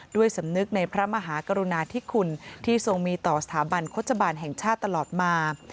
ด้วยสำนึกในพระมหากรุณาธิคุณที่ทรงมีต่อสถาบันโฆษบาลแห่งชาติตลอดมา